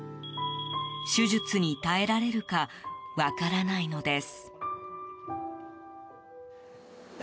手術に耐えられるか分からないのです。